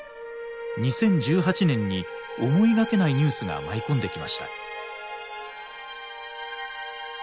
２０１８年に思いがけないニュースが舞い込んできました。